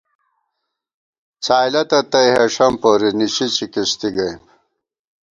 څھائیلَتہ تئ ہېݭم پوری، نِشی چِکِستی گئیم